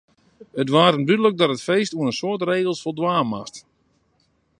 It waard him dúdlik dat it feest oan in soad regels foldwaan moast.